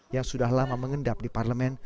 yang sudah lama mengendap di parlemen